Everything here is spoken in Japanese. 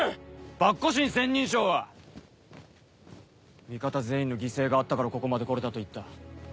縛虎申千人将は味方全員の犠牲があったからここまで来れたと言った。